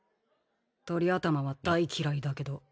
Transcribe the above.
トリ頭は大嫌いだけど。